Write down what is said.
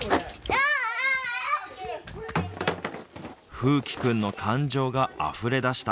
楓希君の感情があふれ出した。